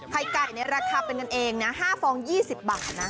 ไข่ไก่ในราคาเป็นกันเองนะ๕ฟอง๒๐บาทนะ